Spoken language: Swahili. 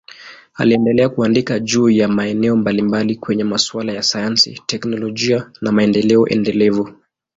Aliendelea kuandika juu ya maeneo mbalimbali kwenye masuala ya sayansi, teknolojia na maendeleo endelevu.